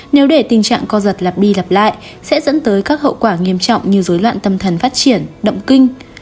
nếu để tình trạng co giật lặp đi lặp lại sẽ dẫn tới các hậu quả nghiêm trọng như dối loạn tâm thần phát triển động kinh